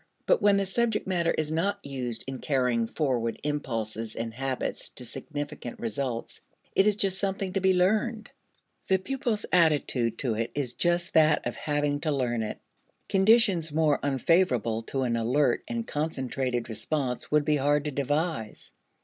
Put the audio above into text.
But when the subject matter is not used in carrying forward impulses and habits to significant results, it is just something to be learned. The pupil's attitude to it is just that of having to learn it. Conditions more unfavorable to an alert and concentrated response would be hard to devise.